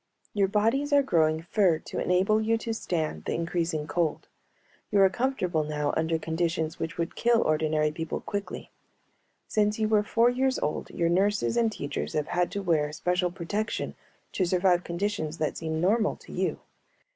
"Your bodies are growing fur to enable you to stand the increasing cold. You are comfortable now under conditions which would kill ordinary people quickly. Since you were four years old your nurses and teachers have had to wear special protection to survive conditions that seem normal to you.